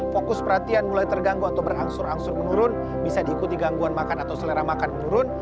fokus perhatian mulai terganggu atau berangsur angsur menurun bisa diikuti gangguan makan atau selera makan menurun